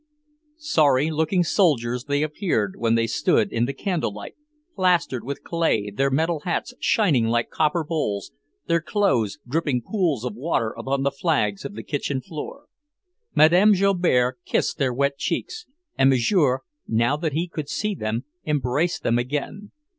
Sorry looking soldiers they appeared when they stood in the candlelight, plastered with clay, their metal hats shining like copper bowls, their clothes dripping pools of water upon the flags of the kitchen floor. Mme. Joubert kissed their wet cheeks, and Monsieur, now that he could see them, embraced them again.